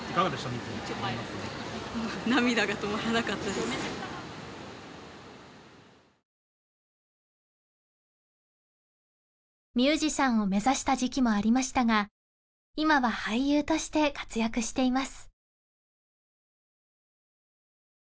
見てミュージシャンを目指した時期もありましたが今は俳優として活躍しています